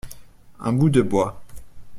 Un bout de bois.